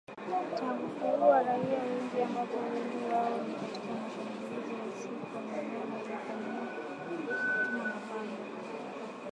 Tangu kuua raia wengi ambapo wengi wao ni katika mashambulizi ya usiku wa manane yaliyofanywa kwa kutumia mapanga